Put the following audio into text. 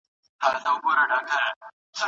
دروېش درانی